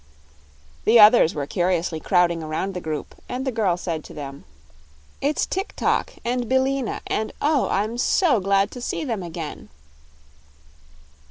The others were curiously crowding around the group, and the girl said to them: "It's Tik tok and Billina; and oh! I'm so glad to see them again."